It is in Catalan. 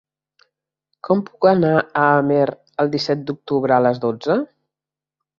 Com puc anar a Amer el disset d'octubre a les dotze?